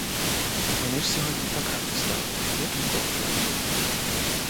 Вони ж сьогодні так рано встали, як ніколи перед тим.